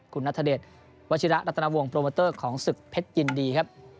คุณนัทเดชวัชิระรัตนวงโปรโมเตอร์ของศึกเพชรยินดีครับ